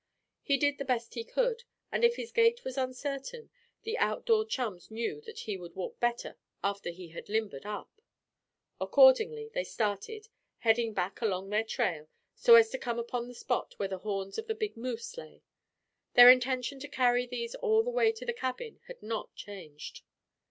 He did the best he could, and if his gait was uncertain, the outdoor chums knew that he would walk better after he had become limbered up. Accordingly, they started, heading back along their trail, so as to come upon the spot where the horns of the big moose lay. Their intention to carry these all the way to the cabin had not changed.